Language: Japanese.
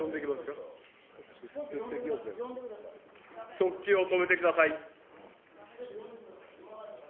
速記を止めてください。